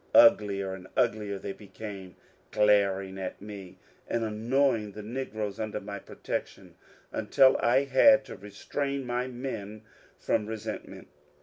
Uglier and uglier they became, glaring at me, and annoying the negroes under my protection until I had to restrain my men from resentment.